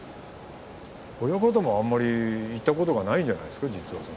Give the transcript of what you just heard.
親方もあんまり行ったことないんじゃないですか？